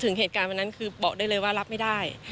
ถึงเหตุการณ์วันนั้นคือบอกได้เลยว่ารับไม่ได้